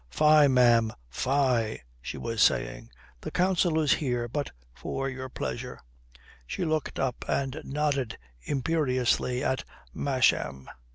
"Fie, ma'am, fie," she was saying, "the Council is here but for your pleasure:" she looked up and nodded imperiously at Masham.